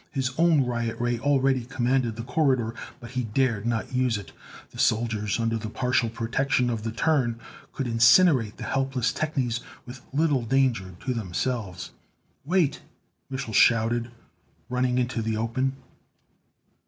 His own riot ray already commanded the corridor, but he dared not use it. The soldiers, under the partial protection of the turn, could incinerate the helpless technies with little danger to themselves. "Wait!" Mich'l shouted, running into the open.